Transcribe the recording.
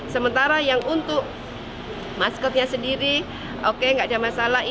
sementara yang untuk maskotnya sendiri oke nggak ada masalah